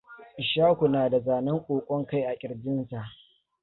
Ishaku na da zanen ƙoƙon kai a ƙirjinsa.